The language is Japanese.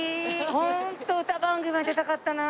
ホント歌番組は出たかったなあ。